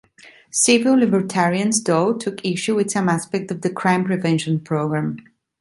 Civil libertarians, though, took issue with some aspects of the crime-prevention program.